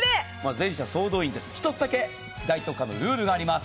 全社総動員です、１つだけ大特価のルールがあります。